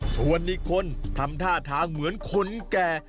ชวนอีกคนทำท่าทางเหมือนคนแก่